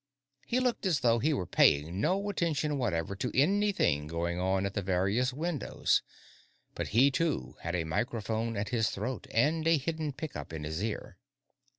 He looked as though he were paying no attention whatever to anything going on at the various windows, but he, too, had a microphone at his throat and a hidden pickup in his ear.